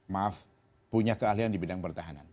maaf punya keahlian di bidang pertahanan